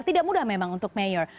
tidak mudah memang untuk mayor